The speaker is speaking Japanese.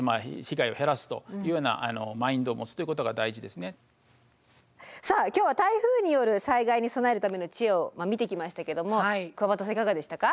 まずはさあ今日は台風による災害に備えるための知恵を見てきましたけどもくわばたさんいかがでしたか？